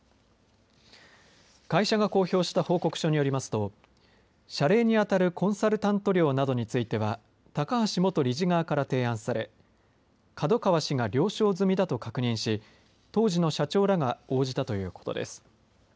会社が公表した報告書によりますと謝礼に当たるコンサルタント料などについては高橋元理事側から提案され角川氏が了承済みだと確認し当時の社長らが応じたということです。